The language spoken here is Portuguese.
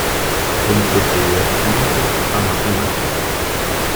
Ele preferia química a matemática